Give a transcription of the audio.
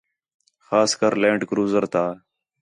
خاص کر لینڈ کروزر تا